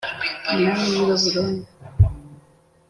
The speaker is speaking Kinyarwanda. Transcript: umwami w’i Babiloni,